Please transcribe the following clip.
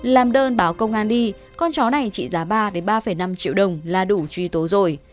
làm đơn báo công an đi con chó này trị giá ba ba năm triệu đồng là đủ truy tố rồi